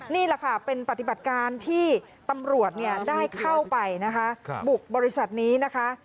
นี่แหละค่ะเป็นปฏิบัติการที่ตำรวจได้เข้าไปนะคะบุกบริษัทนี้นะคะ